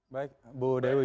baik bu dewi